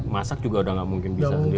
masak juga sudah tidak mungkin bisa sendiri